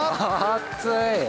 熱い！